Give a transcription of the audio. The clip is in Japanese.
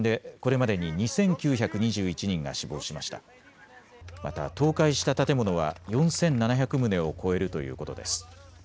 また倒壊した建物は４７００棟を超えるということです。